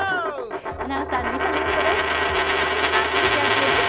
アナウンサーの礒野祐子です。